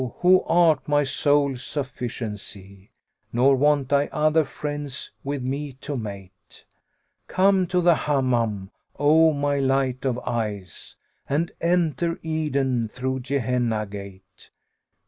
who art my sole sufficiency, * Nor want I other friends with me to mate: Come to the Hammam, O my light of eyes, * And enter Eden through Gehenna gate!